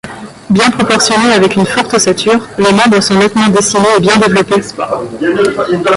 Bien proportionné avec une forte ossature, les membres sont nettement dessinés et bien développés.